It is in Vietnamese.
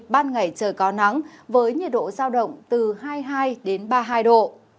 ban ngày trời cao nắng với nhiệt độ ra động từ hai mươi hai đến hai mươi năm độ